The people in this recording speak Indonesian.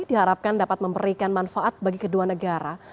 diharapkan dapat memberikan manfaat bagi kedua negara